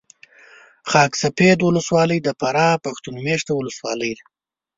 خاک سفید ولسوالي د فراه پښتون مېشته ولسوالي ده